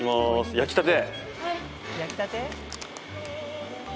焼きたて。